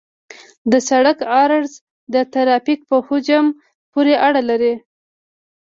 د سرک عرض د ترافیک په حجم پورې اړه لري